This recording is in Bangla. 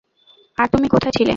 আর তুমি কোথায় ছিলে?